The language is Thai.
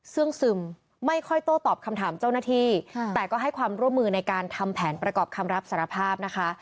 ซึ่งซึมไม่ค่อยโต้ตอบคำถามเจ้าหน้าที่แต่ก็ให้ความร่วมมือในการทำแผนประกอบคำรับสารภาพนะคะ